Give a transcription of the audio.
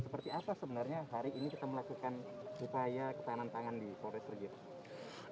seperti apa sebenarnya hari ini kita melakukan upaya ketahanan tangan di poli sumatera utara